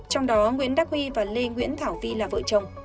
trong đó nguyễn đắc huy và lê nguyễn thảo vi là vợ chồng